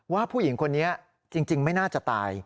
ว่าผู้หญิงคนนี้จริงไม่น่าจะตาย